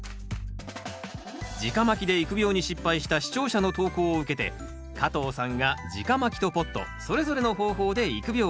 じかまきで育苗に失敗した視聴者の投稿を受けて加藤さんがじかまきとポットそれぞれの方法で育苗。